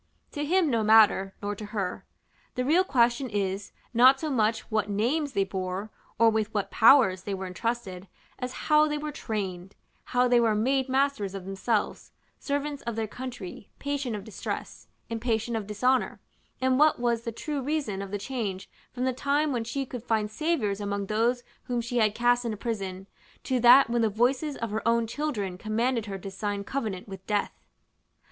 To him no matter, nor to her: the real question is, not so much what names they bore, or with what powers they were entrusted, as how they were trained; how they were made masters of themselves, servants of their country, patient of distress, impatient of dishonor; and what was the true reason of the change from the time when she could find saviours among those whom she had cast into prison, to that when the voices of her own children commanded her to sign covenant with Death.